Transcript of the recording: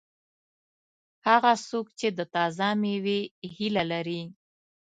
هغه څوک چې د تازه مېوې هیله لري.